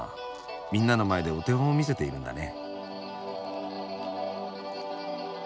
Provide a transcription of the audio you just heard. みんなの前でお手本を見せているんだね。